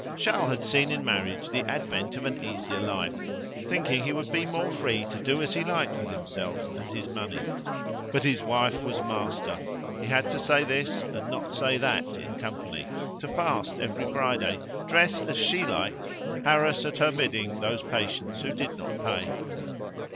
Charles had seen in marriage the advent of an easier life, thinking he would be more free to do as he liked with himself and his money. But his wife was master; he had to say this and not say that in company, to fast every Friday, dress as she liked, harass at her bidding those patients who did not pay.